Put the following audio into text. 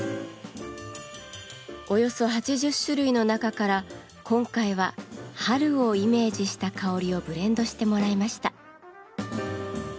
およそ８０種類の中から今回は「春」をイメージした香りをブレンドしてもらいました。